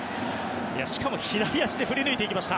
しかも左足で振り抜いていきました。